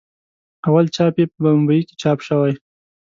اول چاپ یې په بمبئي کې چاپ شوی.